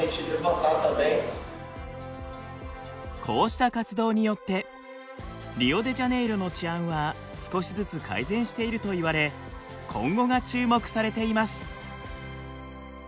こうした活動によってリオデジャネイロの治安は少しずつ改善しているといわれ今後が注目されています。